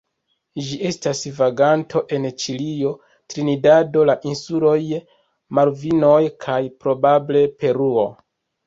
Ĝi estas vaganto en Ĉilio, Trinidado, la insuloj Malvinoj kaj probable Peruo.